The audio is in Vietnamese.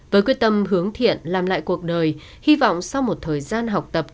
với quyết tâm hướng thiện làm lại cuộc đời hy vọng sau một thời gian học tập em sẽ có thể làm được